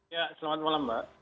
ya selamat malam mbak